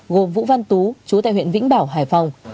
gồm vũ văn tú chú tại huyện vĩnh bảo hải phòng